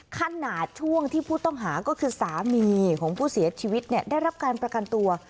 ขณะช่วงที่ผู้ต้องหาก็คือสามีของผู้เสียชีวิตได้รับการประกันตัว